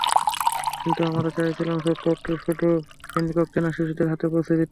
কিন্তু আমরা চাইছিলাম সফটওয়্যারটি শুধু শ্রেণিকক্ষে না, শিশুদের হাতে পৌঁছে দিতে।